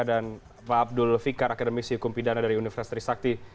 dan pak abdul fikar akademisi hukum pidana dari universitas trisakti